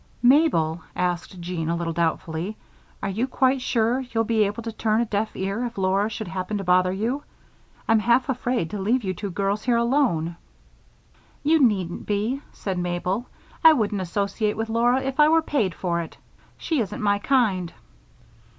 "Mabel," asked Jean, a little doubtfully, "are you quite sure you'll be able to turn a deaf ear if Laura should happen to bother you? I'm half afraid to leave you two girls here alone." "You needn't be," said Mabel. "I wouldn't associate with Laura if I were paid for it. She isn't my kind."